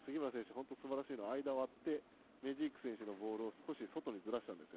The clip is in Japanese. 本当すばらしいのは間を割ってメジーク選手のボールを少し外にずらしたんです。